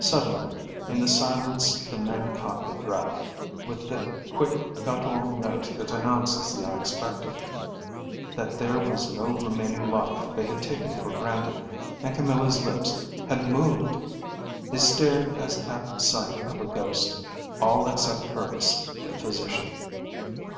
Suddenly in the silence the men caught their breath, with the quick guttural note that announces the unexpected. That there was no remaining life they had taken for granted and Camilla's lips had moved! They stared as at sight of a ghost; all except Curtis, the physician.